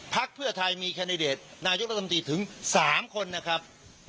พักเพื่อไทยมีแคนดิเดตนายกรัฐมนตรีถึง๓คนนะครับ